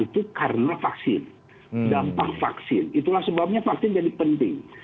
itu karena vaksin dampak vaksin itulah sebabnya vaksin jadi penting